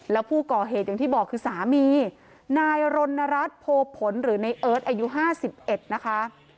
แล้วผู้ก่อเหตุอย่างที่บอกคือสามีนายรณรัฐโพผลหรือในเอิร์ทอายุ๕๑นะคะ